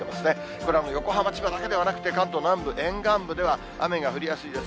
これはもう横浜、千葉だけではなくて、関東南部、沿岸部では雨が降りやすいです。